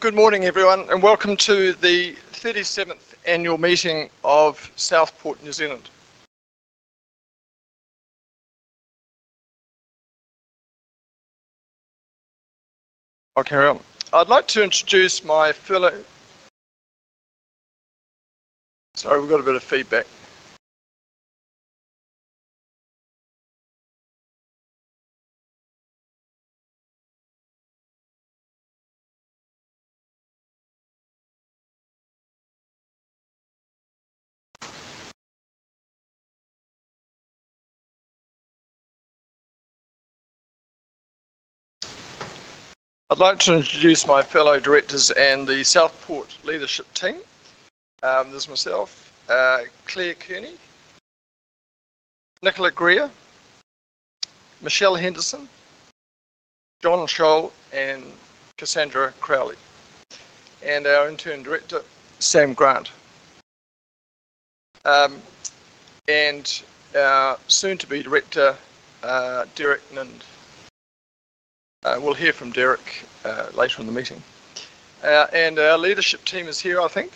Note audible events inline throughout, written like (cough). Good morning, everyone, and welcome to the 37th annual meeting of South Port New Zealand. I'll carry on. I'd like to introduce my fellow directors and the South Port leadership team. There's myself, Clare Kearney, Nicola Greer, Michelle Henderson, John Schol, and Cassandra Crowley, and our intern director, Sam Grant, and our soon-to-be director, Derek Nind. We'll hear from Derek later in the meeting. Our leadership team is here, I think.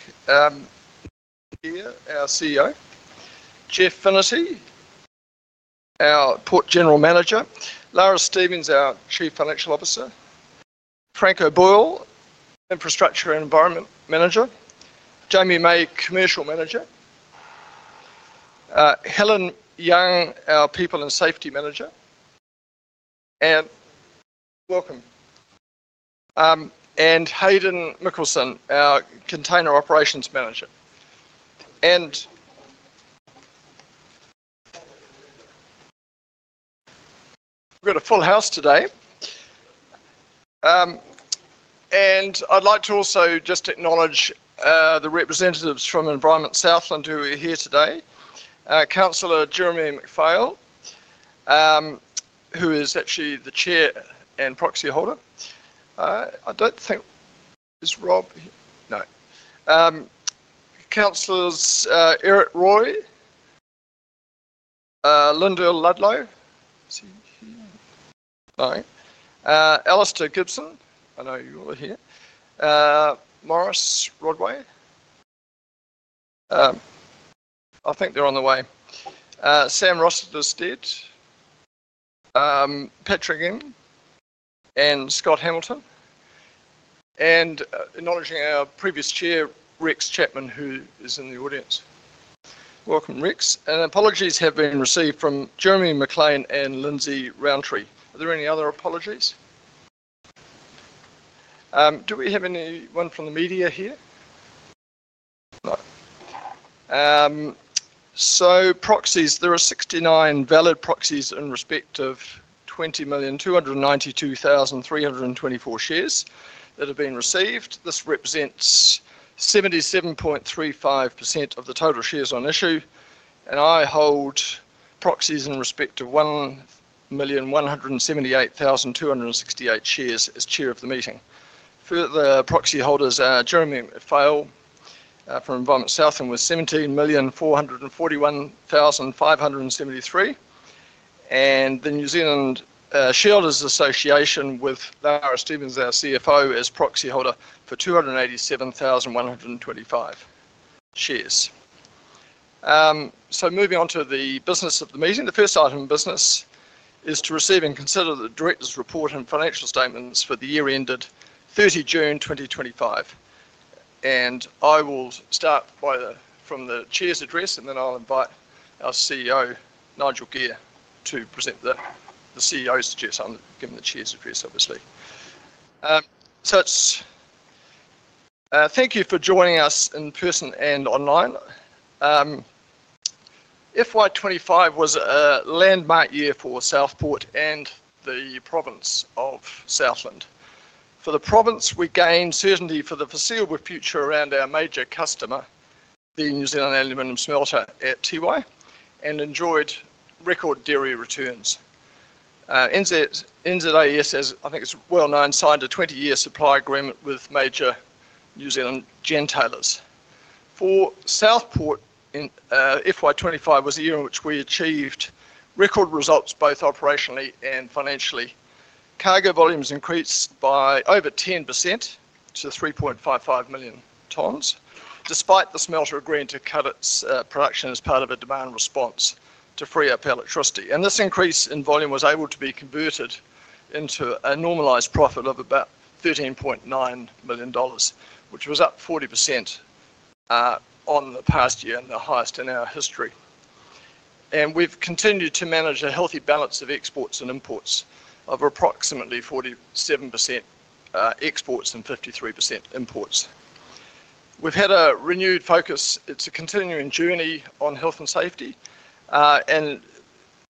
Here, our CEO, Nigel Gear, our Port General Manager, Lara Stevens, our Chief Financial Officer, Frank O'Boyle, Infrastructure and Environment Manager, Jamie May, Commercial Manager, Helen Young, our People and Safety Manager, and welcome. Hayden Mikkelsen, our Container Operations Manager. We've got a full house today. I'd like to also just acknowledge the representatives from Environment Southland who are here today: Councillor Jeremy McPhail, who is actually the Chair and proxy holder. I don't think... Is Rob here? No. Councillors Eric Roy, Lyndal Ludlow. Is she here? No. Alastair Gibson. I know you all are here. Maurice Rodway. I think they're on the way. Sam Rossiter-Stead. Patrick Ng and Scott Hamilton. Acknowledging our previous chair, Rex Chapman, who is in the audience. Welcome, Rex. Apologies have been received from Jeremy McLean and Lindsey Rountree. Are there any other apologies? Do we have anyone from the media here? No. Proxies, there are 69 valid proxies in respect of 20,292,324 shares that have been received. This represents 77.35% of the total shares on issue. I hold proxies in respect of 1,178,268 shares as chair of the meeting. Further proxy holders are Jeremy McPhail from Environment Southland with 17,441,573. The New Zealand Shelters Association with Lara Stevens, our CFO, as proxy holder for 287,125 shares. Moving on to the business of the meeting, the first item in business is to receive and consider the director's report and financial statements for the year ended 30 June 2025. I will start from the chair's address, and then I'll invite our CEO, Nigel Gear, to present the CEO's address. I'm giving the chair's address, obviously. Thank you for joining us in person and online. FY 2025 was a landmark year for South Port and the province of Southland. For the province, we gained certainty for the foreseeable future around our major customer, the New Zealand Aluminium Smelter at Tiwai, and enjoyed record dairy returns. NZAS, I think it's well known, signed a 20-year supply agreement with major New Zealand gentailers. For South Port, FY 2025 was a year in which we achieved record results both operationally and financially. Cargo volumes increased by over 10% to 3.55 million tons, despite the smelter agreeing to cut its production as part of a demand response to free up electricity. This increase in volume was able to be converted into a normalised profit of about 13.9 million dollars, which was up 40% on the past year and the highest in our history. We've continued to manage a healthy balance of exports and imports of approximately 47% exports and 53% imports. We've had a renewed focus. It's a continuing journey on health and safety.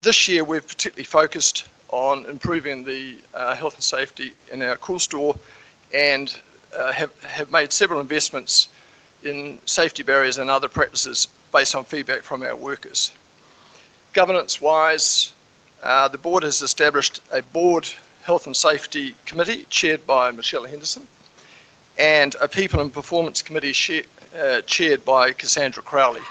This year, we've particularly focused on improving the health and safety in our cool store and have made several investments in safety barriers and other practices based on feedback from our workers. Governance-wise, the board has established a board Health and Safety Committee chaired by Michelle Henderson and a People and Performance Committee chaired by Cassandra Crowley.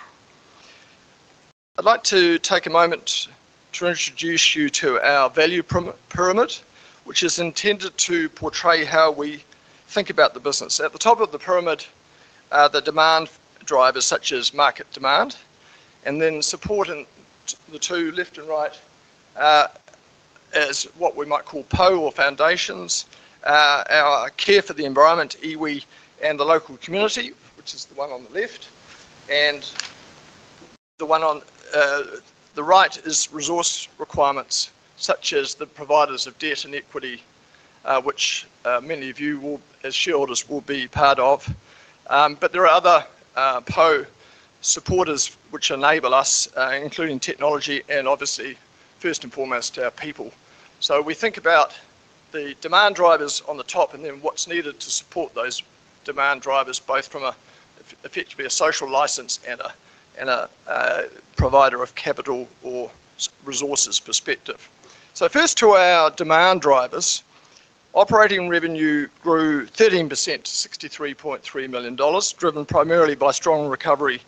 I'd like to take a moment to introduce you to our value pyramid, which is intended to portray how we think about the business. At the top of the pyramid, the demand drivers, such as market demand, and then supporting the two left and right as what we might call pillars or foundations, our care for the environment, iwi, and the local community, which is the one on the left. The one on the right is resource requirements, such as the providers of debt and equity, which many of you as shareholders will be part of. There are other pillar supporters which enable us, including technology and, obviously, first and foremost, our people. We think about the demand drivers on the top and then what's needed to support those demand drivers, both from an effectively a social license and a provider of capital or resources perspective. First to our demand drivers, operating revenue grew 13% to 63.3 million dollars, driven primarily by strong recovery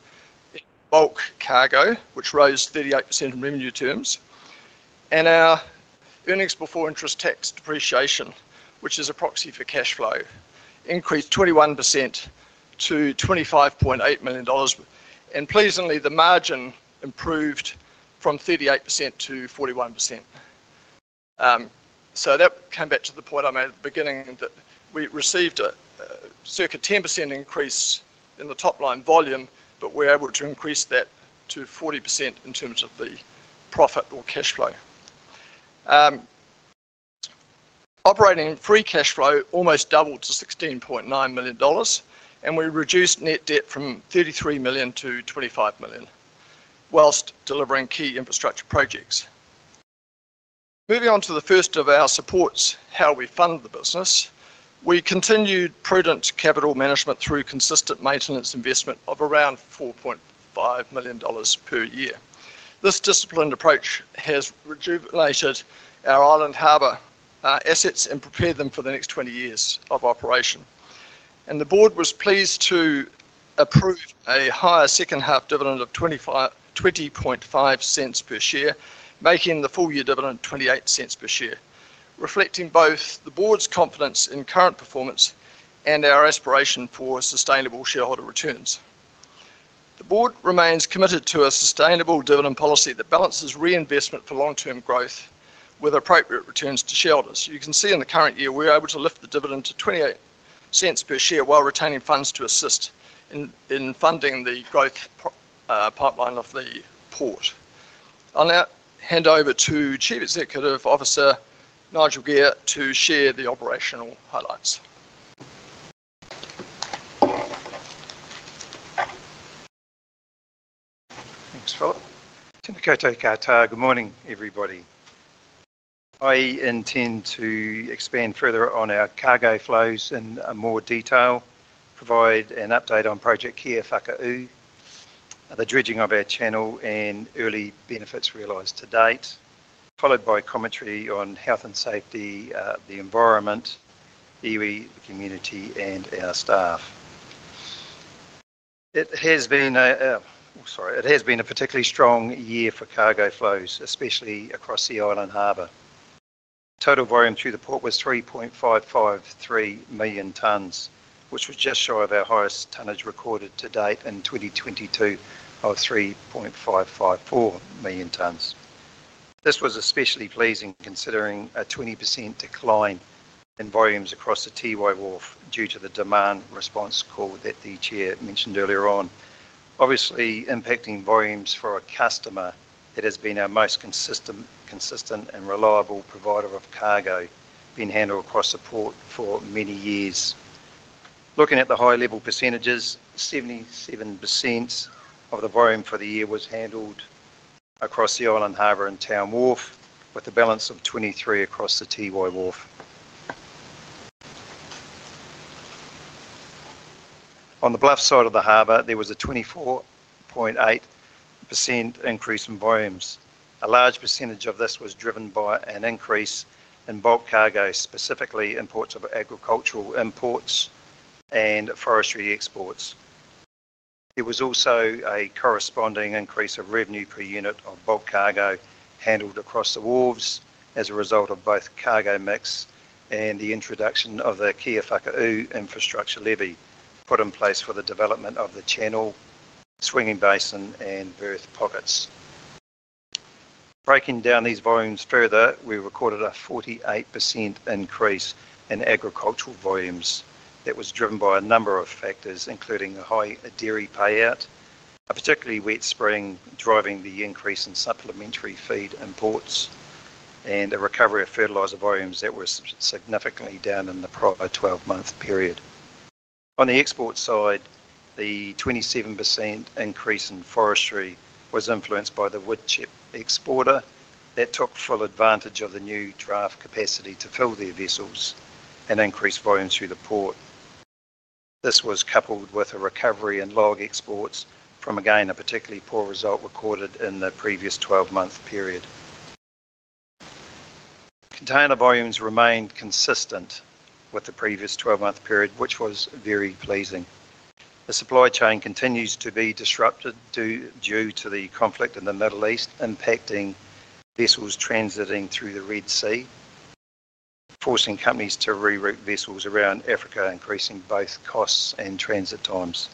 in bulk cargo, which rose 38% in revenue terms. Our earnings before interest, tax, depreciation, which is a proxy for cash flow, increased 21% to 25.8 million dollars. Pleasingly, the margin improved from 38%-41%. That came back to the point I made at the beginning that we received a circa 10% increase in the top line volume, but we're able to increase that to 40% in terms of the profit or cash flow. Operating free cash flow almost doubled to 16.9 million dollars, and we reduced net debt from 33 million-25 million, whilst delivering key infrastructure projects. Moving on to the first of our supports, how we fund the business, we continued prudent capital management through consistent maintenance investment of around 4.5 million dollars per year. This disciplined approach has rejuvenated our Island Harbour assets and prepared them for the next 20 years of operation. The board was pleased to approve a higher second half dividend of 0.205 per share, making the full year dividend 0.28 per share, reflecting both the board's confidence in current performance and our aspiration for sustainable shareholder returns. The board remains committed to a sustainable dividend policy that balances reinvestment for long-term growth with appropriate returns to shareholders. You can see in the current year, we're able to lift the dividend to 0.28 per share while retaining funds to assist in funding the growth pipeline of the port. I'll now hand over to Chief Executive Officer Nigel Gear to share the operational highlights. Thanks. (audio distortion) Good morning, everybody. I intend to expand further on our cargo flows in more detail, provide an update on project Kia Whakaū, the dredging of our channel, and early benefits realized to date, followed by commentary on health and safety, the environment, iwi, the community, and our staff. It has been a particularly strong year for cargo flows, especially across the Island Harbour. Total volume through the port was 3.553 million tons, which was just shy of our highest tonnage recorded to date in 2022 of 3.554 million tons. This was especially pleasing considering a 20% decline in volumes across the Tīwai Wharf due to the demand response call that the Chair mentioned earlier on. Obviously, impacting volumes for a customer that has been our most consistent and reliable provider of cargo being handled across the port for many years. Looking at the high-level percentages, 77% of the volume for the year was handled across the Island Harbour and Town Wharf, with a balance of 23% across the Tīwai Wharf. On the Bluff side of the Harbour, there was a 24.8% increase in volumes. A large percentage of this was driven by an increase in bulk cargo, specifically imports of agricultural imports and forestry exports. There was also a corresponding increase of revenue per unit of bulk cargo handled across the wharves as a result of both cargo mix and the introduction of the Kia Whakaū infrastructure levy put in place for the development of the channel, swinging basin, and berth pockets. Breaking down these volumes further, we recorded a 48% increase in agricultural volumes that was driven by a number of factors, including a high dairy payout, a particularly wet spring driving the increase in supplementary feed imports, and a recovery of fertilizer volumes that were significantly down in the prior 12-month period. On the export side, the 27% increase in forestry was influenced by the woodchip exporter that took full advantage of the new draft capacity to fill their vessels and increase volumes through the port. This was coupled with a recovery in log exports from, again, a particularly poor result recorded in the previous 12-month period. Container volumes remained consistent with the previous 12-month period, which was very pleasing. The supply chain continues to be disrupted due to the conflict in the Middle East impacting vessels transiting through the Red Sea, forcing companies to reroute vessels around Africa, increasing both costs and transit times.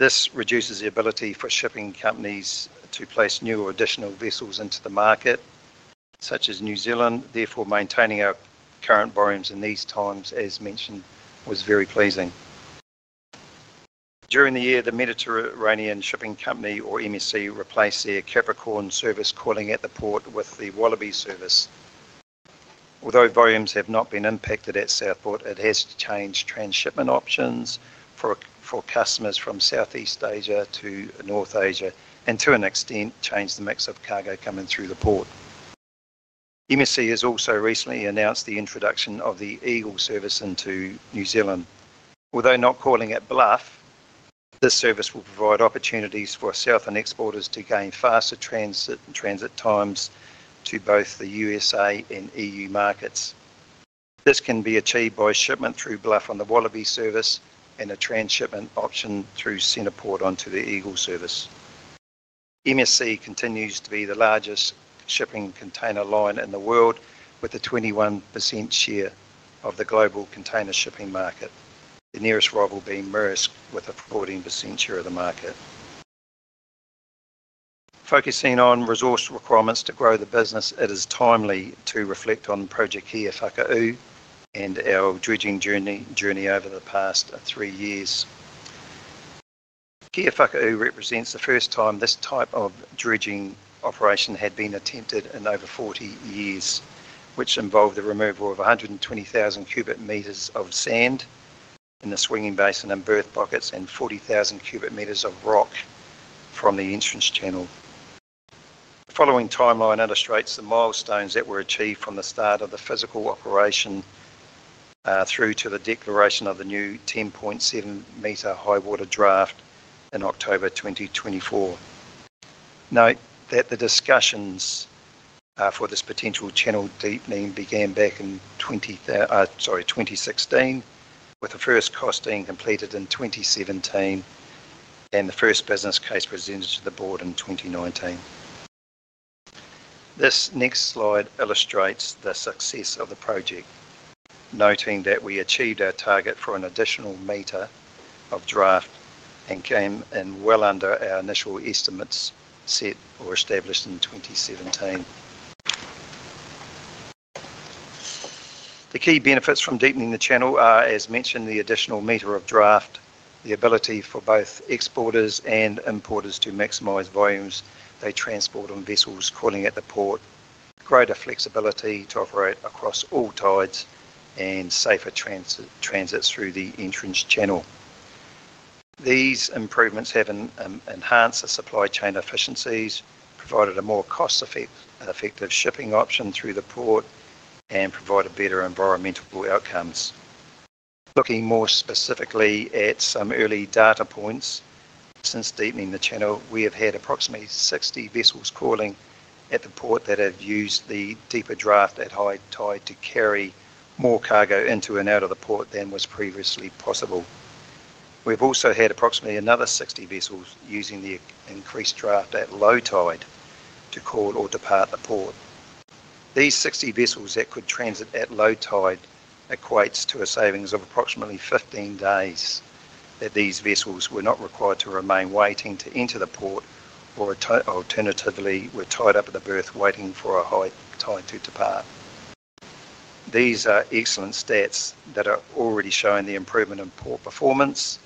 This reduces the ability for shipping companies to place new or additional vessels into the market, such as New Zealand. Therefore, maintaining our current volumes in these times, as mentioned, was very pleasing. During the year, the Mediterranean Shipping Company, or MSC, replaced their Capricorn service calling at the port with the Wallaby service. Although volumes have not been impacted at South Port, it has changed transshipment options for customers from Southeast Asia to North Asia and, to an extent, changed the mix of cargo coming through the port. MSC has also recently announced the introduction of the Eagle service into New Zealand. Although not calling at Bluff, this service will provide opportunities for Southern exporters to gain faster transit times to both the USA and EU markets. This can be achieved by shipment through Bluff on the Wallaby Service and a transshipment option through CentrePort onto the Eagle service. MSC continues to be the largest shipping container line in the world, with a 21% share of the global container shipping market, the nearest rival being Maersk with a 14% share of the market. Focusing on resource requirements to grow the business, it is timely to reflect on project Kia Whakaū and our dredging journey over the past three years. Kia Whakaū represents the first time this type of dredging operation had been attempted in over 40 years, which involved the removal of 120,000 cubic meters of sand in the swinging basin and berth pockets and 40,000 cubic meters of rock from the entrance channel. The following timeline illustrates the milestones that were achieved from the start of the physical operation through to the declaration of the new 10.7-meter high-water draft in October 2024. Note that the discussions for this potential channel deepening began back in 2016, with the first costing completed in 2017 and the first business case presented to the board in 2019. This next slide illustrates the success of the project, noting that we achieved our target for an additional meter of draft and came in well under our initial estimates set or established in 2017. The key benefits from deepening the channel are, as mentioned, the additional meter of draft, the ability for both exporters and importers to maximize volumes they transport on vessels calling at the port, greater flexibility to operate across all tides, and safer transits through the entrance channel. These improvements have enhanced the supply chain efficiencies, provided a more cost-effective shipping option through the port, and provided better environmental outcomes. Looking more specifically at some early data points, since deepening the channel, we have had approximately 60 vessels calling at the port that have used the deeper draft at high tide to carry more cargo into and out of the port than was previously possible. We've also had approximately another 60 vessels using the increased draft at low tide to call or depart the port. These 60 vessels that could transit at low tide equate to a savings of approximately 15 days that these vessels were not required to remain waiting to enter the port or, alternatively, were tied up at the berth waiting for a high tide to depart. These are excellent stats that are already showing the improvement in port performance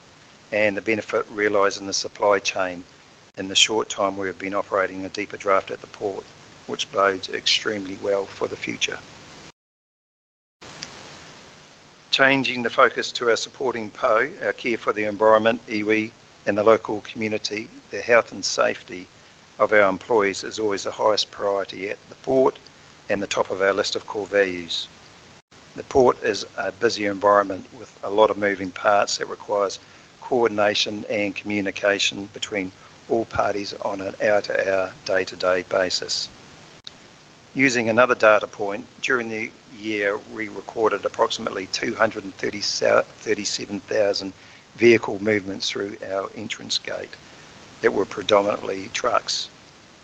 and the benefit realized in the supply chain in the short time we have been operating a deeper draft at the port, which bodes extremely well for the future. Changing the focus to our supporting PO, our care for the environment, iwi, and the local community, the health and safety of our employees is always the highest priority at the port and the top of our list of core values. The port is a busy environment with a lot of moving parts that require coordination and communication between all parties on an hour-to-hour, day-to-day basis. Using another data point, during the year, we recorded approximately 237,000 vehicle movements through our entrance gate that were predominantly trucks.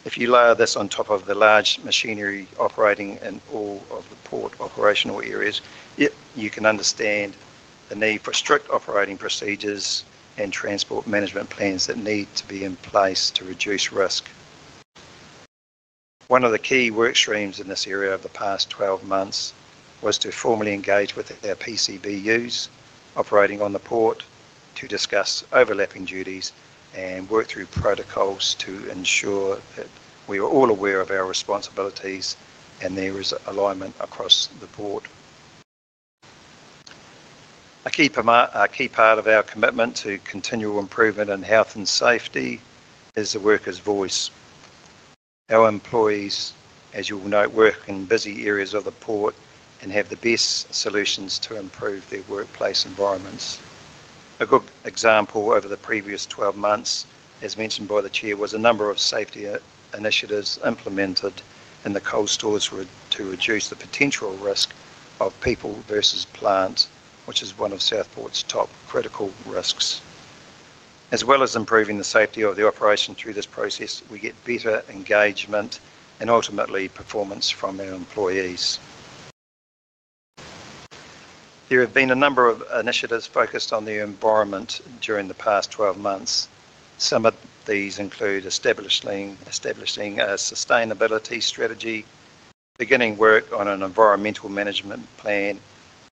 If you layer this on top of the large machinery operating in all of the port operational areas, you can understand the need for strict operating procedures and transport management plans that need to be in place to reduce risk. One of the key work streams in this area over the past 12 months was to formally engage with our PCBUs operating on the port to discuss overlapping duties and work through protocols to ensure that we were all aware of our responsibilities and there was alignment across the port. A key part of our commitment to continual improvement in health and safety is the worker's voice. Our employees, as you will note, work in busy areas of the port and have the best solutions to improve their workplace environments. A good example over the previous 12 months, as mentioned by the Chair, was a number of safety initiatives implemented in the coal stores to reduce the potential risk of people versus plant, which is one of South Port's top critical risks. As well as improving the safety of the operation through this process, we get better engagement and ultimately performance from our employees. There have been a number of initiatives focused on the environment during the past 12 months. Some of these include establishing a sustainability strategy, beginning work on an environmental management plan,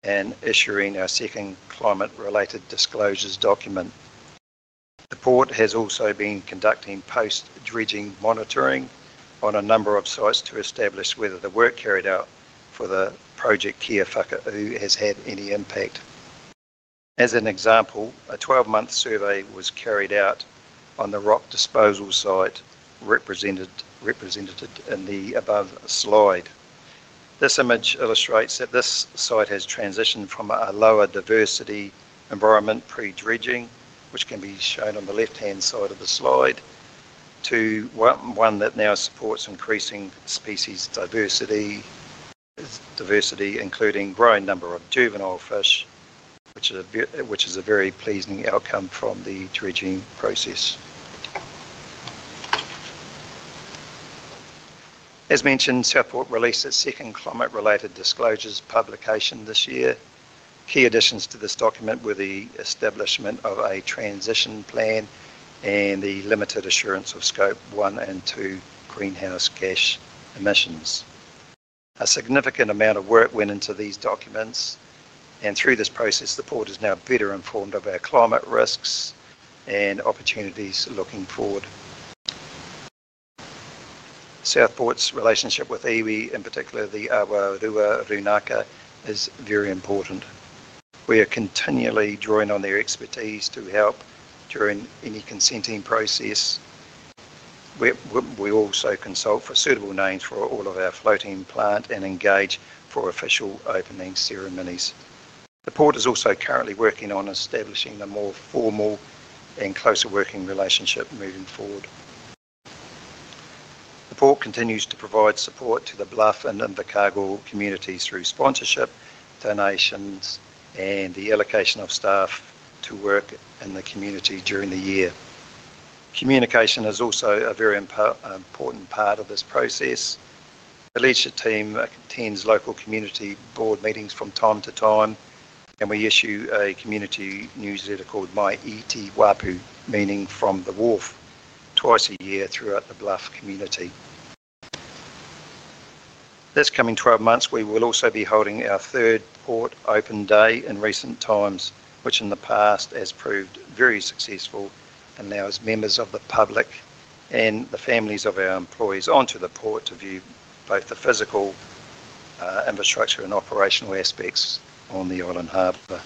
and issuing our second climate-related disclosures document. The port has also been conducting post-dredging monitoring on a number of sites to establish whether the work carried out for the project Kia Whakaū has had any impact. As an example, a 12-month survey was carried out on the rock disposal site represented in the above slide. This image illustrates that this site has transitioned from a lower diversity environment pre-dredging, which can be shown on the left-hand side of the slide, to one that now supports increasing species diversity, including a growing number of juvenile fish, which is a very pleasing outcome from the dredging process. As mentioned, South Port released its second climate-related disclosures publication this year. Key additions to this document were the establishment of a transition plan and the limited assurance of scope one and two greenhouse gas emissions. A significant amount of work went into these documents, and through this process, the port is now better informed of our climate risks and opportunities looking forward. South Port's relationship with iwi, in particular the Awarua Rūnaka, is very important. We are continually drawing on their expertise to help during any consenting process. We also consult for suitable names for all of our floating plant and engage for official opening ceremonies. The port is also currently working on establishing a more formal and closer working relationship moving forward. The port continues to provide support to the Bluff and in the cargo community through sponsorship, donations, and the allocation of staff to work in the community during the year. Communication is also a very important part of this process. The leadership team attends local community board meetings from time to time, and we issue a community newsletter called MAI I TE WAPU meaning from the Wharf twice a year throughout the Bluff community. This coming 12 months, we will also be holding our third port open day in recent times, which in the past has proved very successful. It allows members of the public and the families of our employees onto the port to view both the physical infrastructure and operational aspects on the Island Harbour.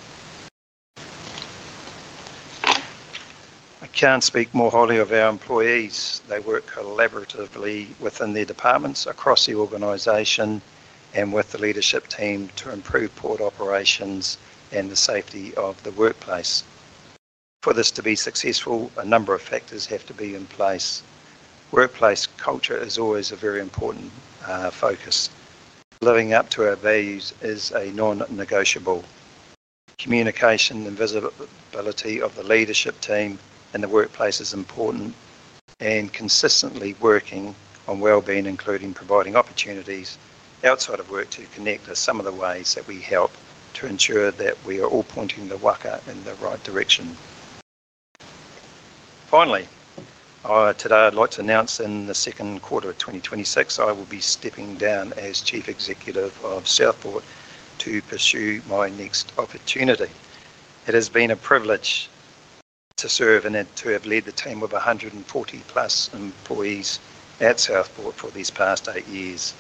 I can't speak more highly of our employees. They work collaboratively within their departments, across the organization, and with the leadership team to improve port operations and the safety of the workplace. For this to be successful, a number of factors have to be in place. Workplace culture is always a very important focus. Living up to our values is a non-negotiable. Communication and visibility of the leadership team in the workplace is important, and consistently working on wellbeing, including providing opportunities outside of work to connect, are some of the ways that we help to ensure that we are all pointing the waka in the right direction. Finally, today I'd like to announce in the second quarter of 2026, I will be stepping down as Chief Executive Officer of South Port to pursue my next opportunity. It has been a privilege to serve and to have led the team with 140+ employees at South Port for these past eight years.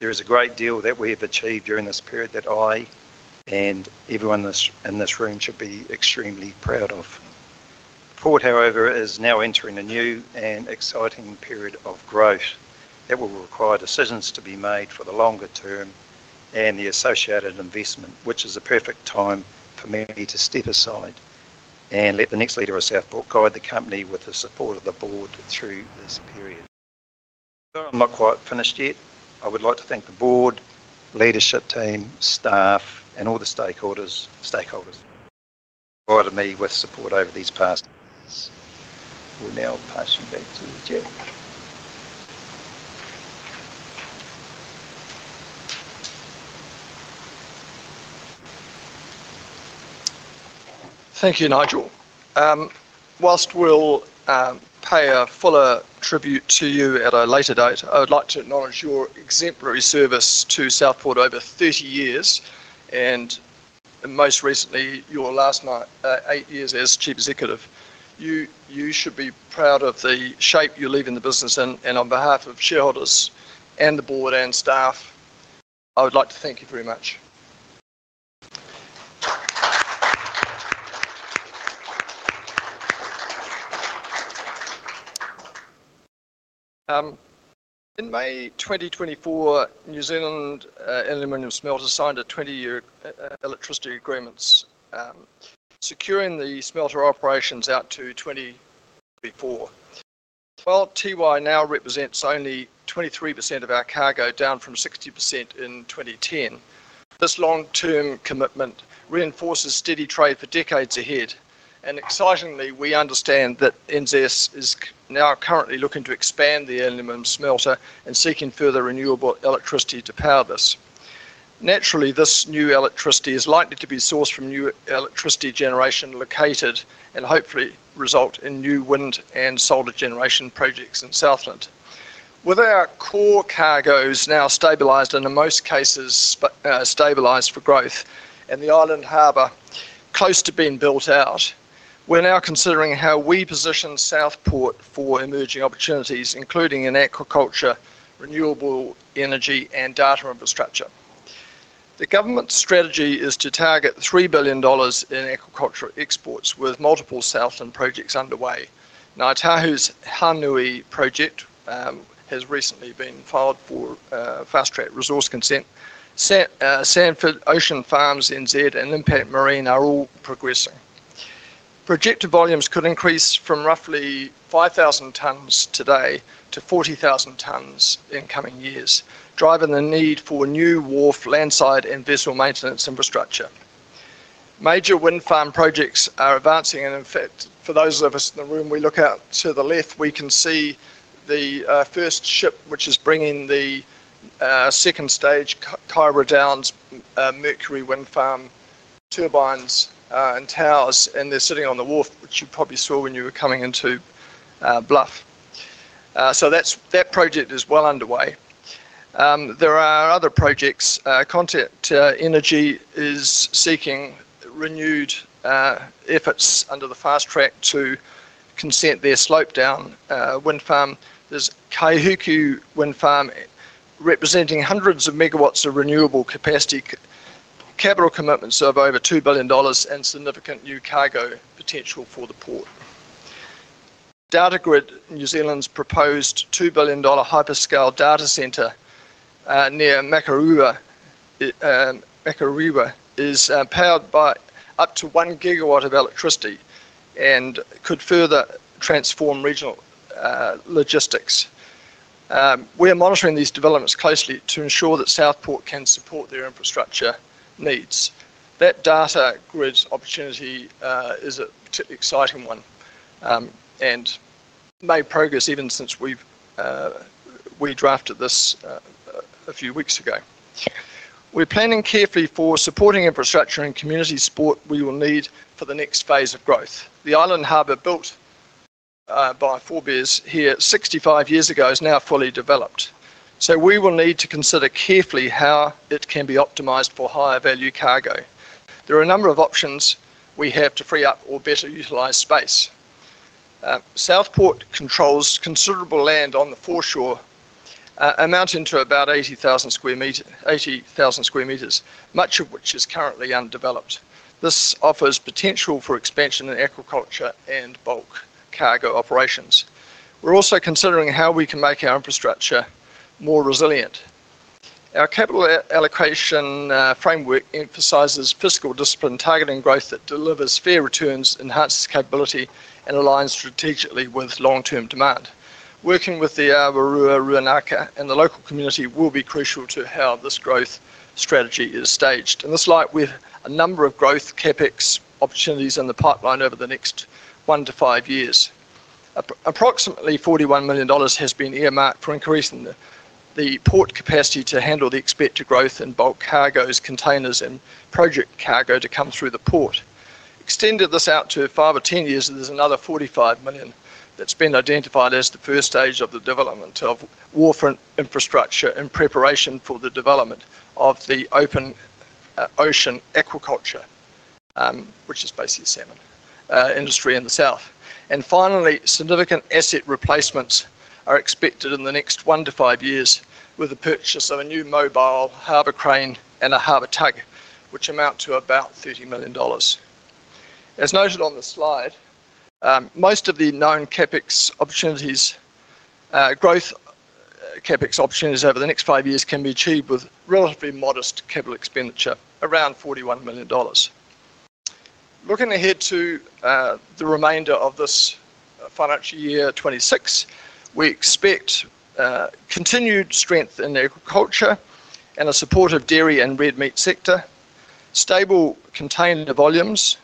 There is a great deal that we have achieved during this period that I and everyone in this room should be extremely proud of. The port, however, is now entering a new and exciting period of growth that will require decisions to be made for the longer term and the associated investment, which is a perfect time for me to step aside and let the next leader of South Port guide the company with the support of the board through this period. Though I'm not quite finished yet, I would like to thank the board, leadership team, staff, and all the stakeholders who provided me with support over these past years. We'll now pass you back to the Chair. Thank you, Nigel. Whilst we'll pay a fuller tribute to you at a later date, I would like to acknowledge your exemplary service to South Port over 30 years, and most recently, your last eight years as Chief Executive. You should be proud of the shape you're leaving the business in. On behalf of shareholders and the board and staff, I would like to thank you very much. In May 2024, New Zealand Aluminium Smelter signed a 20-year electricity agreement securing the smelter operations out to 2044. While Tiwai now represents only 23% of our cargo, down from 60% in 2010, this long-term commitment reinforces steady trade for decades ahead. Excitingly, we understand that NZX is now currently looking to expand the aluminium smelter and seeking further renewable electricity to power this. Naturally, this new electricity is likely to be sourced from new electricity generation located and hopefully result in new wind and solar generation projects in Southland. With our core cargoes now stabilized, and in most cases stabilized for growth, and the Island Harbour close to being built out, we're now considering how we position South Port for emerging opportunities, including in aquaculture, renewable energy, and data infrastructure. The government's strategy is to target 3 billion dollars in aquaculture exports with multiple Southland projects underway. Ngāi Tahu's Hananui project has recently been filed for fast track resource consent. Sanford, Ocean Farms NZ, and Impact Marine are all progressing. Projected volumes could increase from roughly 5,000 tonnes today to 40,000 tonnes in coming years, driving the need for new wharf, landside, and vessel maintenance infrastructure. Major wind farm projects are advancing. In fact, for those of us in the room, if we look to the left, we can see the first ship, which is bringing the second stage Kaiwera Downs, Mercury NZ wind farm, turbines, and towers, and they're sitting on the wharf, which you probably saw when you were coming into Bluff. That project is well underway. There are other projects. Contact Energy is seeking renewed efforts under the fast track to consent their Slopedown wind farm. There's Kaihiku Wind Farm representing hundreds of megawatts of renewable capacity, capital commitments of over 2 billion dollars, and significant new cargo potential for the port. Datagrid New Zealand's proposed 2 billion dollar hyperscale data centre near Makarua is powered by up to 1 GW of electricity and could further transform regional logistics. We are monitoring these developments closely to ensure that South Port can support their infrastructure needs. That Datagrid opportunity is an exciting one and made progress even since we drafted this a few weeks ago. We're planning carefully for supporting infrastructure and community support we will need for the next phase of growth. The Island Harbour built by Forbes here 65 years ago is now fully developed. We will need to consider carefully how it can be optimized for higher value cargo. There are a number of options we have to free up or better utilize space. South Port controls considerable land on the foreshore, amounting to about 80,000 sq m, much of which is currently undeveloped. This offers potential for expansion in aquaculture and bulk cargo operations. We're also considering how we can make our infrastructure more resilient. Our capital allocation framework emphasizes fiscal discipline, targeting growth that delivers fair returns, enhances capability, and aligns strategically with long-term demand. Working with the Awarua Rūnaka and the local community will be crucial to how this growth strategy is staged. In this light, we have a number of growth CapEx opportunities in the pipeline over the next one to five years. Approximately 41 million dollars has been earmarked for increasing the port capacity to handle the expected growth in bulk cargoes, containers, and project cargo to come through the port. Extended out to five or ten years, there's another 45 million that's been identified as the first stage of the development of wharf infrastructure in preparation for the development of the open ocean aquaculture, which is basically salmon industry in the south. Finally, significant asset replacements are expected in the next one to five years with the purchase of a new mobile harbor crane and a harbor tug, which amount to about 30 million dollars. As noted on the slide, most of the known CapEx opportunities, growth CapEx opportunities over the next five years can be achieved with relatively modest capital expenditure, around 41 million dollars. Looking ahead to the remainder of this financial year 2026, we expect continued strength in agriculture and a supportive dairy and red meat sector, stable container volumes,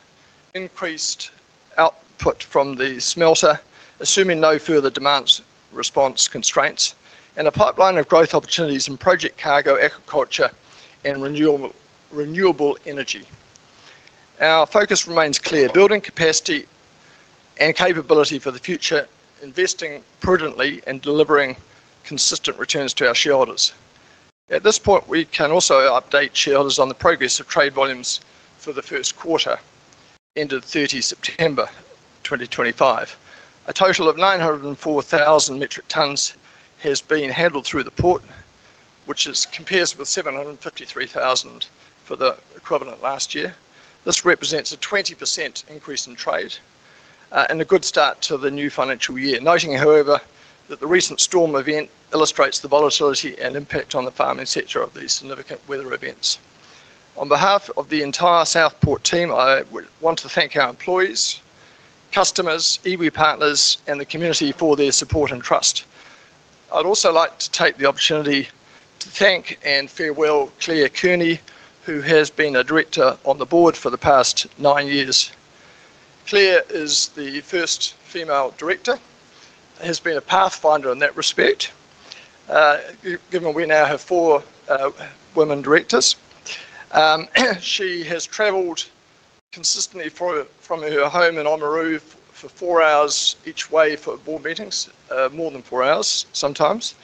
increased output from the smelter, assuming no further demand response constraints, and a pipeline of growth opportunities in project cargo, aquaculture, and renewable energy. Our focus remains clear: building capacity and capability for the future, investing prudently, and delivering consistent returns to our shareholders. At this point, we can also update shareholders on the progress of trade volumes for the first quarter ended 30 September 2025. A total of 904,000 metric tonnes has been handled through the port, which compares with 753,000 for the equivalent last year. This represents a 20% increase in trade and a good start to the new financial year, noting, however, that the recent storm event illustrates the volatility and impact on the farming sector of these significant weather events. On behalf of the entire South Port team, I want to thank our employees, customers, iwi partners, and the community for their support and trust. I'd also like to take the opportunity to thank and farewell Clare Kearney, who has been a director on the board for the past nine years. Clare is the first female director and has been a pathfinder in that respect, given we now have four women directors. She has traveled consistently from her home in Oamaru for four hours each way for board meetings, more than four hours sometimes.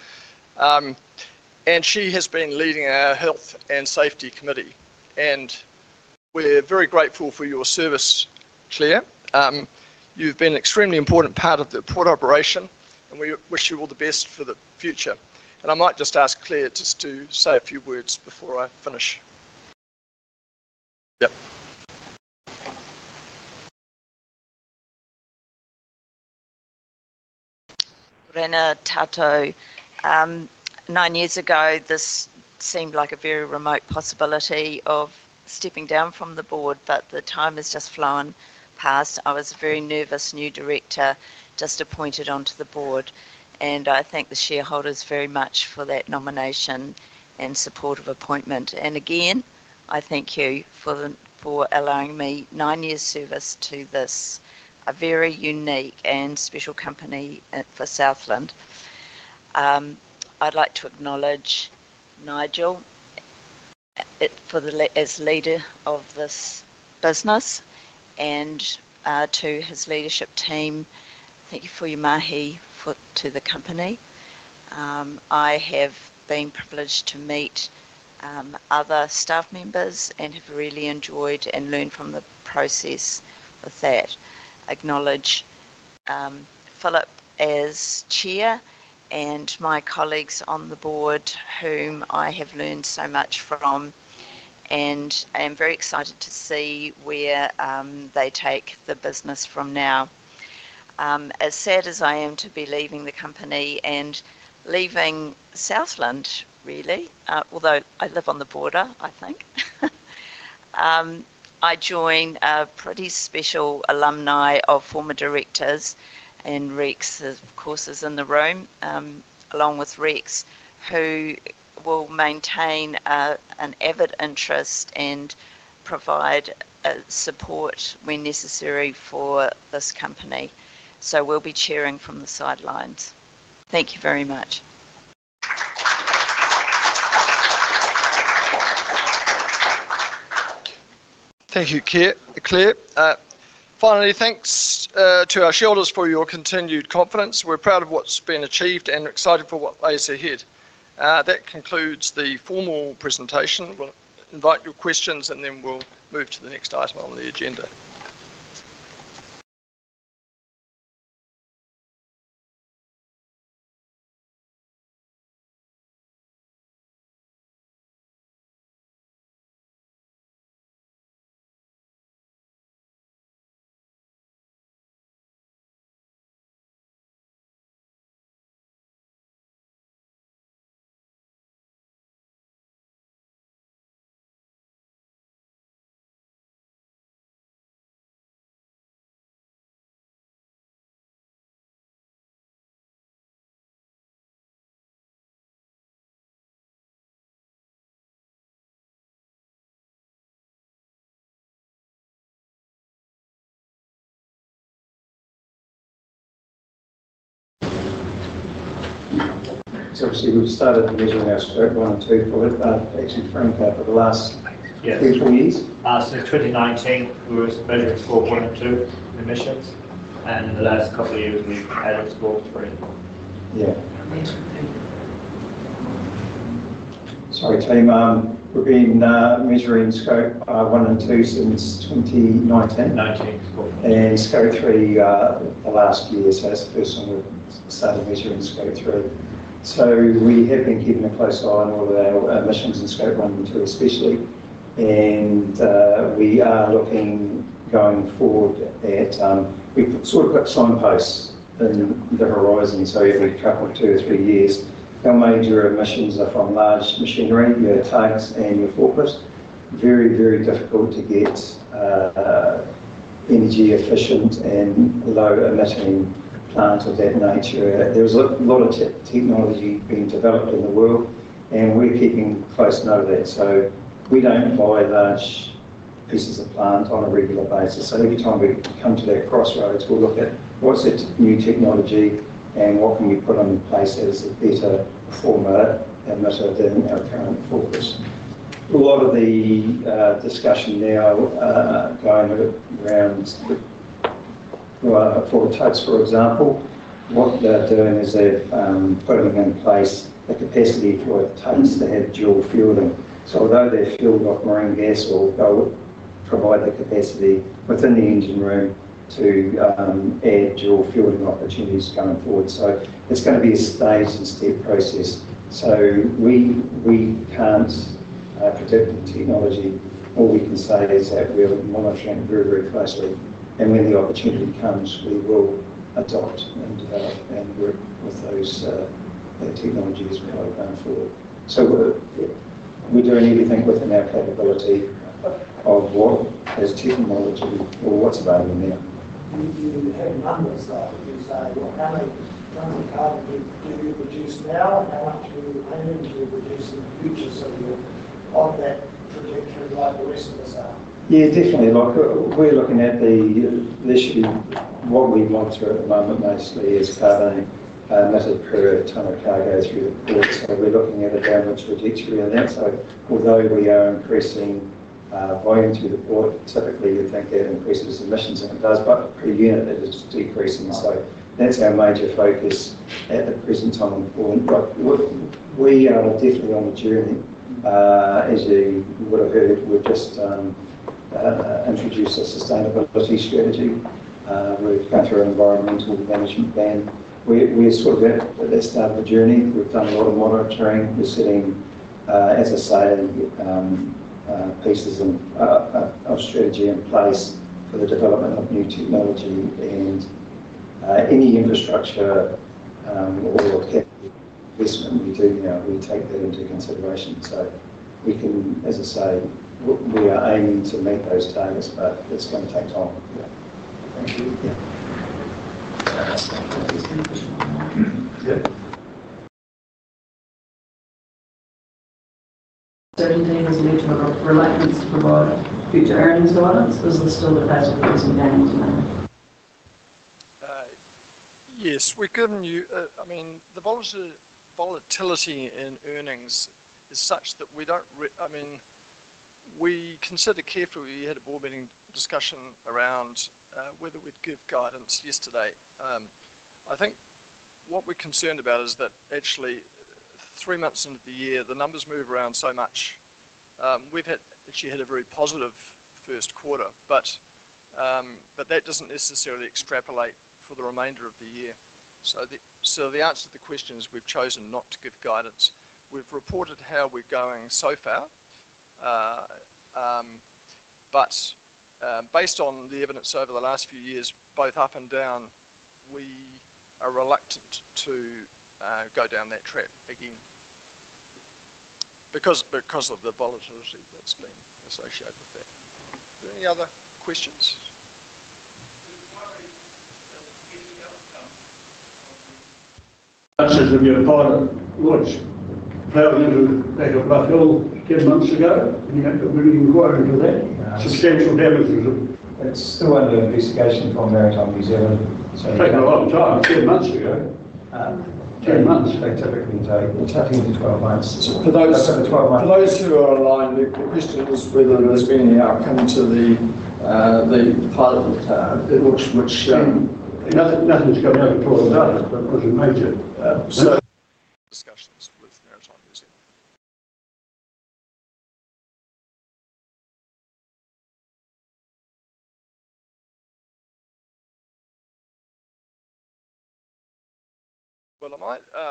She has been leading our Health and Safety Committee. We're very grateful for your service, Clare. You've been an extremely important part of the port operation, and we wish you all the best for the future. I might just ask Clare to say a few words before I finish. Nine years ago, this seemed like a very remote possibility of stepping down from the board, but the time has just flown past. I was a very nervous new director just appointed onto the board, and I thank the shareholders very much for that nomination and supportive appointment. I thank you for allowing me nine years' service to this, a very unique and special company for Southland. I'd like to acknowledge Nigel as leader of this business and to his leadership team. Thank you for your mahi to the company. I have been privileged to meet other staff members and have really enjoyed and learned from the process of that. I acknowledge Philip as Chair and my colleagues on the board whom I have learned so much from, and I am very excited to see where they take the business from now. As sad as I am to be leaving the company and leaving Southland, really, although I live on the border, I think I join a pretty special alumni of former directors and Rex is, of course, in the room, along with Rex, who will maintain an avid interest and provide support when necessary for this company. We'll be cheering from the sidelines. Thank you very much. Thank you, Clare. Finally, thanks to our shareholders for your continued confidence. We're proud of what's been achieved and excited for what lays ahead. That concludes the formal presentation. We'll invite your questions, and then we'll move to the next item on the agenda. We'll start at the measuring aspect one and two for it. Thanks for confirming that for the last three or four years. Last in 2019, we were measuring scope one and two in emissions, and in the last couple of years, we've added scope three. Yeah. Sorry, team. We've been measuring scope one and two since 2019. 2019. Scope three the last year. That's the first time we've started measuring scope three. We have been keeping a close eye on all of our emissions in scope one and two especially. We are looking going forward at, we've sort of put signposts in the horizon. Every couple of two or three years, our major emissions are from large machinery, your tanks, and your forklifts. Very, very difficult to get energy efficient and low emitting plants of that nature. There's a lot of technology being developed in the world, and we're keeping a close note of that. We don't buy large pieces of plant on a regular basis. Every time we come to that crossroads, we'll look at what's that new technology and what can we put in place that is a better form emitter than our current forklifts. A lot of the discussion now going around for the totes, for example, what they're doing is they're putting in place the capacity for the totes to have dual fueling. Although they're fueled off marine gas, we'll go provide the capacity within the engine room to add dual fueling opportunities going forward. It's going to be a stage and step process. We can't predict the technology. All we can say is that we're monitoring it very, very closely. When the opportunity comes, we will adopt and develop and work with those technologies as we go forward. We're doing everything within our capability of what has technology or what's available now. You have numbers that you say, "How many carbon do you produce now and how much do you plan to produce in the future?" You're on that trajectory like the rest of us are. Yeah, definitely. We're looking at this. What we've gone through at the moment mostly is carbon emitted per tonne of cargo through the port. We're looking at a downward trajectory on that. Although we are increasing volume through the port, typically you think that increases emissions and it does, but per unit it is decreasing. That's our major focus at the present time. We are definitely on the journey. As you would have heard, we've just introduced a sustainability strategy. We've gone through an environmental management plan. We're at that start of the journey. We've done a lot of monitoring. We're setting, as I say, pieces of strategy in place for the development of new technology and any infrastructure or capital investment we do now, we take that into consideration. We are aiming to meet those targets, but it's going to take time. Thank you. Yeah. Is there anything that's led to a reluctance to provide future earnings guidance, or is this still the first of the recent gains? Yes, we couldn't. I mean, the volatility in earnings is such that we don't, I mean, we consider carefully. We had a board meeting discussion around whether we'd give guidance yesterday. What we're concerned about is that actually three months into the year, the numbers move around so much. We've actually had a very positive first quarter, but that doesn't necessarily extrapolate for the remainder of the year. The answer to the question is we've chosen not to give guidance. We've reported how we're going so far. Based on the evidence over the last few years, both up and down, we are reluctant to go down that track again because of the volatility that's been associated with that. Are there any other questions? (audio distortion) going to be any outcome? Answer is we're going to pilot it. Good. How are we going to do it? Back up Bluff Hill 10 months ago, and you haven't got a moving quote into that. Substantial damages of. It's still under investigation from Maritime New Zealand. It takes a lot of time. Ten months ago, ten months they typically take. It's up into 12 months. For those that have a 12-month. For those who are online, the question is whether there's been any outcome to the pilot. Nothing's gone over the board without it, but it wasn't major. So. Discussions with Maritime New Zealand. I might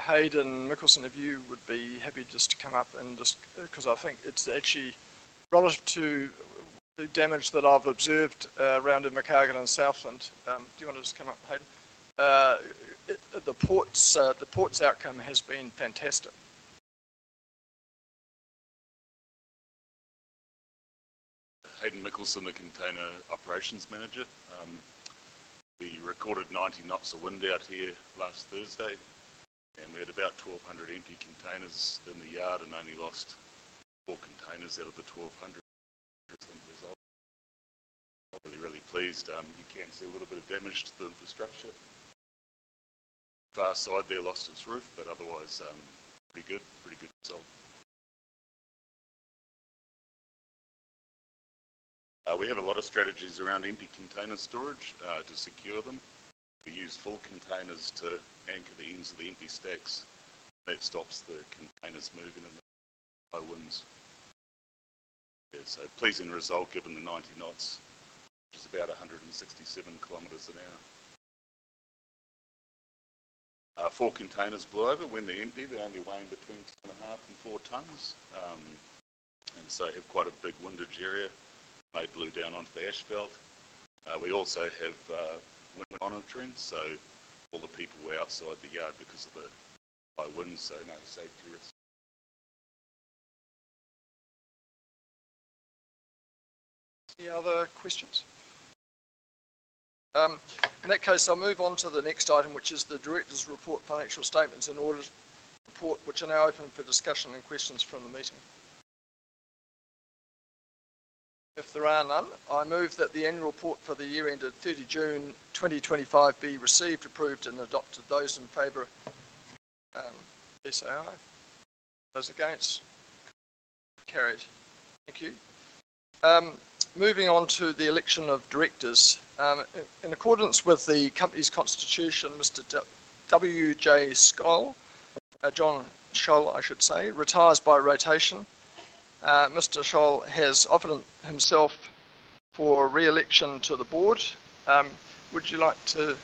ask Hayden Mikkelsen if you would be happy just to come up, just because I think it's actually relative to the damage that I've observed around in [Makarewa] Southland. Do you want to just come up, Hayden? The port's outcome has been fantastic. Hayden Mikkelsen, the Container Operations Manager. We recorded 90 knots of wind out here last Thursday, and we had about 1,200 empty containers in the yard and only lost four containers out of the 1,200. Probably really pleased. You can see a little bit of damage to the infrastructure. The far side there lost its roof, but otherwise, pretty good. Pretty good result. We have a lot of strategies around empty container storage to secure them. We use full containers to anchor the ends of the empty stacks. That stops the containers moving in the low winds. Yeah, so pleasing result given the 90 knots, which is about 167 km an hour. Four containers blow over when they're empty. They only weigh in between 2.5 tonne and 4 tonnes, and so have quite a big windage area. They blew down onto the ash belt. We also have wind monitoring, so all the people were outside the yard because of the high winds. No safety risks. Any other questions? In that case, I'll move on to the next item, which is the Director's Report, financial statements, and audit report, which are now open for discussion and questions from the meeting. If there are none, I move that the annual report for the year ended 30 June 2025 be received, approved, and adopted. Those in favor, please say aye. Those against, carried. Thank you. Moving on to the election of directors. In accordance with the company's constitution, Mr. W.J. Schol, John Schol, I should say, retires by rotation. Mr. Schol has offered himself for re-election to the board. Would you like to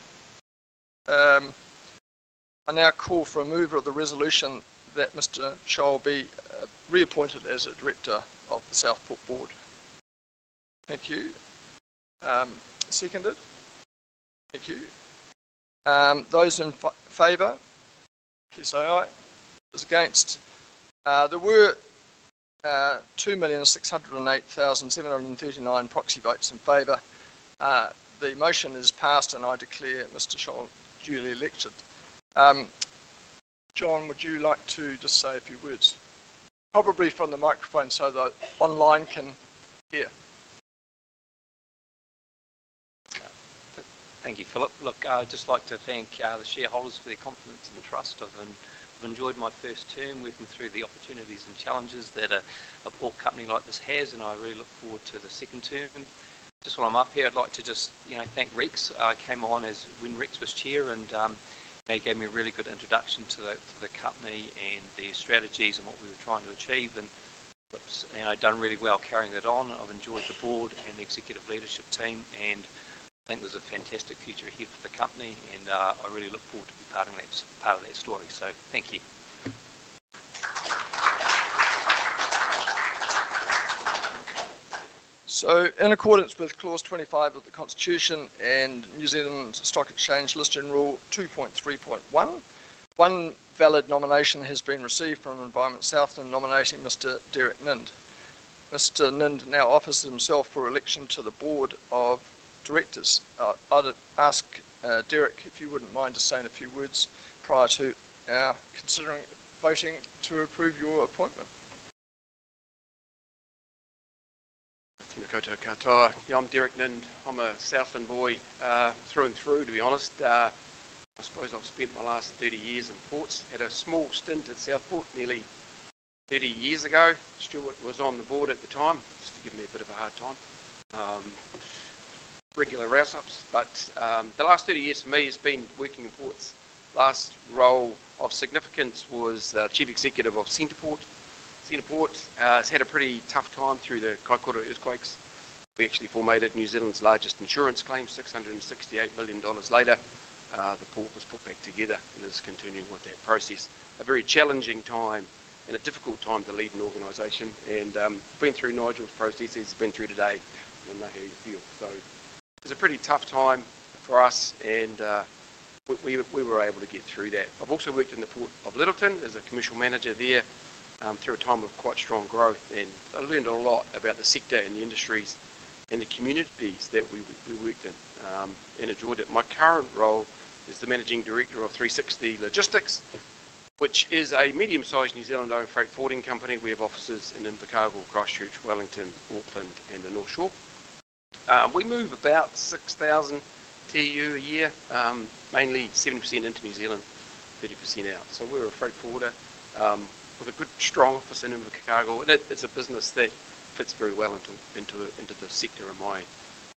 now call for a move of the resolution that Mr. Schol be reappointed as a director of the South Port board? Thank you. Seconded. Thank you. Those in favor, please say aye. Those against. There were 2,608,739 proxy votes in favor. The motion is passed, and I declare Mr. Schol duly elected. John, would you like to just say a few words? Probably from the microphone so that online can hear. Thank you, Philip. I'd just like to thank the shareholders for their confidence and trust. I've enjoyed my first term. We've been through the opportunities and challenges that a port company like this has, and I really look forward to the second term. Just while I'm up here, I'd like to thank Rex. I came on when Rex was Chair, and he gave me a really good introduction to the company and the strategies and what we were trying to achieve. I've done really well carrying that on. I've enjoyed the Board and the executive leadership team, and I think there's a fantastic future ahead for the company. I really look forward to be part of that story. Thank you. In accordance with clause 25 of the Constitution and New Zealand Stock Exchange Listing Rule 2.3.1, one valid nomination has been received from Environment Southland nominating Mr. Derek Nind. Mr. Nind now offers himself for election to the board of directors. I'd ask Derek if you wouldn't mind just saying a few words prior to considering voting to approve your appointment. I'm Derek Nind. I'm a Southland boy through and through, to be honest. I suppose I've spent my last 30 years in ports. Had a small stint at South Port nearly 30 years ago. Stuart was on the board at the time, just to give me a bit of a hard time. Regular rouse-ups. The last 30 years for me has been working in ports. Last role of significance was Chief Executive of Centreport. Centreport has had a pretty tough time through the Kaikōura earthquakes. We actually formatted New Zealand's largest insurance claim. 668 million dollars later, the port was put back together and is continuing with that process. A very challenging time and a difficult time to lead an organization. I've been through Nigel's processes, I've been through today. I know how you feel. It was a pretty tough time for us, and we were able to get through that. I've also worked in the Port of Lyttelton as a Commercial Manager there through a time of quite strong growth. I learned a lot about the sector and the industries and the communities that we worked in and enjoyed it. My current role is the Managing Director of 360 Logistics, which is a medium-sized New Zealand-owned freight forwarding company. We have offices in Invercargill, Christchurch, Wellington, Auckland, and the North Shore. We move about 6,000 TEU a year, mainly 70% into New Zealand, 30% out. We're a freight forwarder with a good, strong office in Invercargill. It's a business that fits very well into the sector of my, I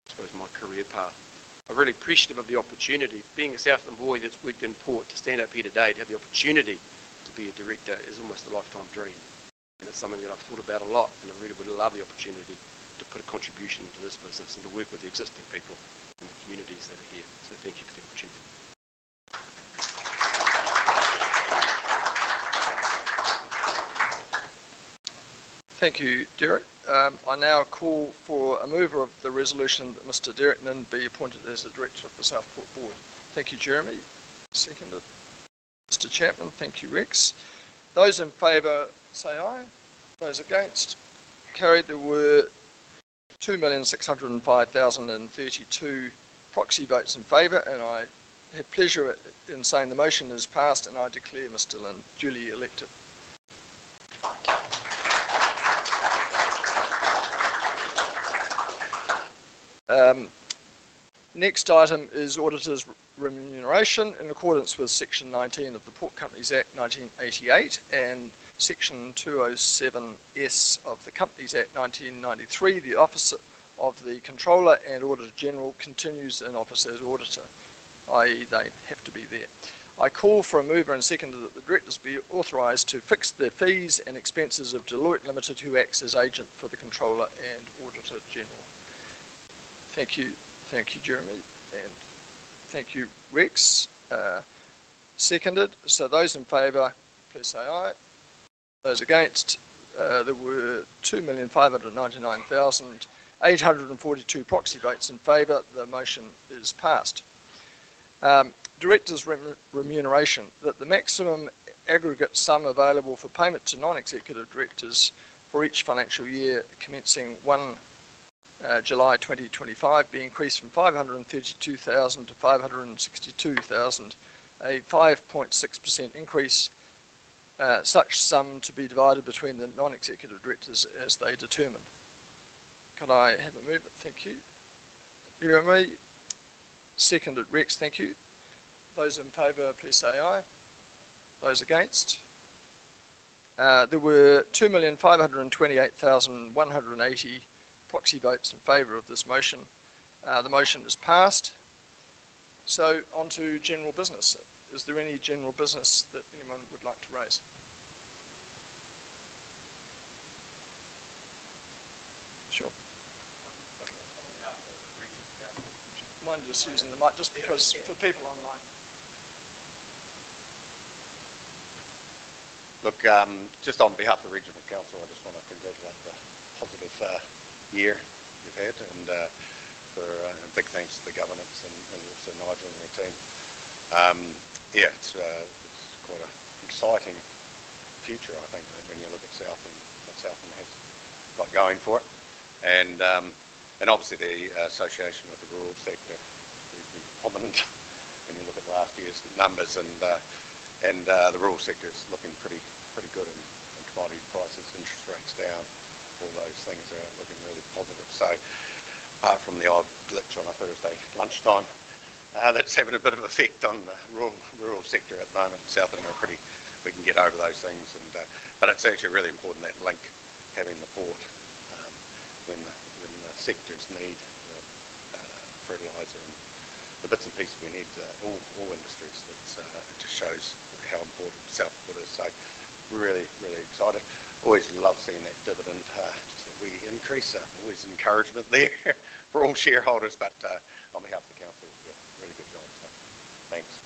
suppose, my career path. I'm really appreciative of the opportunity. Being a Southland boy that's worked in port to stand up here today, to have the opportunity to be a director is almost a lifetime dream. It's something that I've thought about a lot, and I really would love the opportunity to put a contribution to this business and to work with the existing people and the communities that are here. Thank you for the opportunity. Thank you, Derek. I now call for a move of the resolution that Mr. Derek Nind be appointed as the director of the South Port board. Thank you, Jeremy. Seconded. Mr. Chapman, thank you, Rex. Those in favor, say aye. Those against, carried. There were 2,605,032 proxy votes in favor, and I have pleasure in saying the motion is passed, and I declare Mr. Nind duly elected. Next item is auditor's remuneration. In accordance with Section 19 of the Port Companies Act 1988 and Section 207S of the Companies Act 1993, the Officer of the Controller and Auditor General continues in office as auditor, i.e., they have to be there. I call for a mover and second that the directors be authorized to fix the fees and expenses of Deloitte Limited, who acts as agent for the Controller and Auditor General. Thank you. Thank you, Jeremy. And thank you, Rex. Seconded. Those in favor, please say aye. Those against, there were 2,599,842 proxy votes in favor. The motion is passed. Directors' remuneration, that the maximum aggregate sum available for payment to non-executive directors for each financial year commencing 1, July 2025 be increased from 532,000-562,000, a 5.6% increase. Such sum to be divided between the non-executive directors as they determine. Can I have a move? Thank you. Jeremy. Seconded. Rex. Thank you. Those in favor, please say aye. Those against. There were 2,528,180 proxy votes in favor of this motion. The motion is passed. On to general business. Is there any general business that anyone would like to raise? (audio distortion) Mind just using the mic, just because for people online. Look, just on behalf of the regional council, I just want to congratulate the positive year we've had and give a big thanks to the governance and also Nigel and your team. Yeah, it's quite an exciting future, I think, when you look at Southland. Southland has got going for it. Obviously, the association with the rural sector has been prominent. When you look at last year's numbers and the rural sector is looking pretty good in commodity prices, interest rates down, all those things are looking really positive. Apart from the odd glitch on a Thursday lunchtime that's having a bit of effect on the rural sector at the moment, Southland are pretty, we can get over those things. It's actually really important, that link, having the port when the sectors need the fertilizer and the bits and pieces we need, all industries. It just shows how important South Port is. We're really, really excited. Always love seeing that dividend that we increase. Always encouragement there for all shareholders. On behalf of the council, we've got a really good job. Thanks.